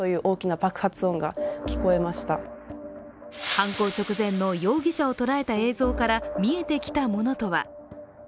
犯行直前の容疑者を捉えた映像から見えてきたものとは？